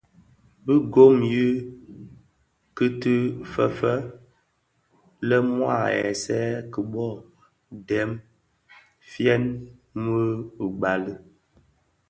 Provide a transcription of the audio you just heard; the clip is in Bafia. Bi gom yi ti feëfëg lè mua aghèsèè ki boo ndem fyeň mü gbali i.